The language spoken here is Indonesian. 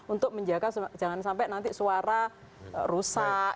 untuk menjaga jangan sampai nanti suara rusak